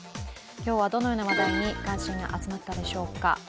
今日はどのような話題に関心が集まったのでしょうか。